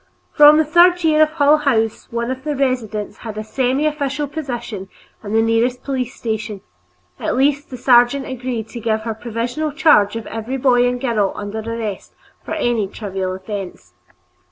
From the third year of Hull House, one of the residents held a semiofficial position in the nearest police station; at least, the sergeant agreed to give her provisional charge of every boy and girl under arrest for a trivial offense.